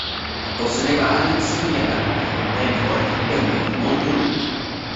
Possedeva ali simili a pagaie con penne corte e un becco molto lungo.